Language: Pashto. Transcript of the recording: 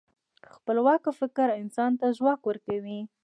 خپلواکه فکر انسان ته ځواک ورکوي.